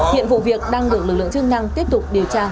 điện vụ việc đang được lực lượng chức năng tiếp tục điều tra nở rộng